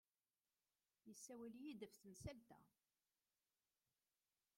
Yessawel-iyi-d ɣef temsalt-a.